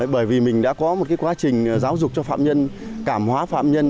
bởi vì mình đã có một quá trình giáo dục cho phạm nhân cảm hóa phạm nhân